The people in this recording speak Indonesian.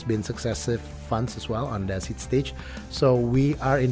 sejak itu saya pikir ada fund berhasil di stage pembelian